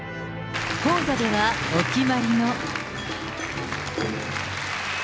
高座ではお決まりの。